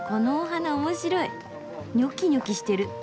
ニョキニョキしてる。